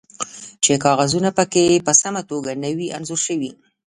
چې کاغذونه پکې په سمه توګه نه وي انځور شوي